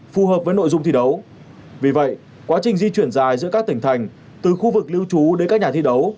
phù hợp với nội dung thi đấu vì vậy quá trình di chuyển dài giữa các tỉnh thành từ khu vực lưu trú